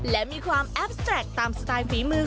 และมีความแอฟแตรกตามสไตล์ฝีมือ